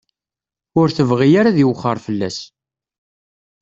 Ur tebɣi ara ad iwexxer fell-as.